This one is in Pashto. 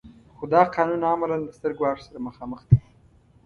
خو دا قانون عملاً له ستر ګواښ سره مخامخ دی.